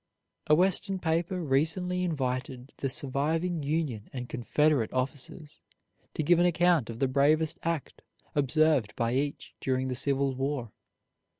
A Western paper recently invited the surviving Union and Confederate officers to give an account of the bravest act observed by each during the Civil War.